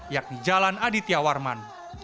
yakni jalan aditya warman